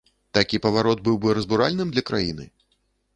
Такі паварот быў бы разбуральным для краіны!